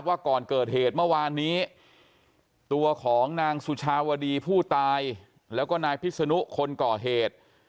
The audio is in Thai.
วันนี้ตัวของนางสุชาวดีผู้ตายแล้วก็นายพิษนุคนก่อเหตุ